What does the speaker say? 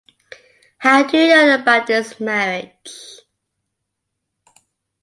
How do you know about his marriage?